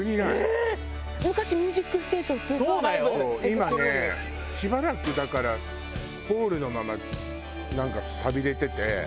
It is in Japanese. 今ねしばらくだからホールのままなんか寂れてて。